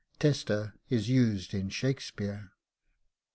'Tester' is used in Shakspeare.